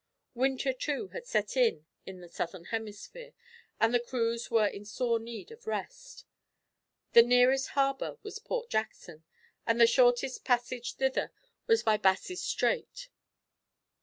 Winter, too, had set in in the southern hemisphere, and the crews were in sore need of rest. The nearest harbour was Port Jackson, and the shortest passage thither was by Bass's Strait.